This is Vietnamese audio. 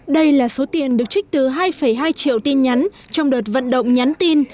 đây là số tiền được trích từ hai hai triệu tin nhắn trong đợt vận động nhắn tin